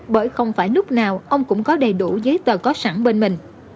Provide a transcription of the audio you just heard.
bởi không phải lúc nào ông cũng có đầy đủ giấy tờ có sẵn bên mình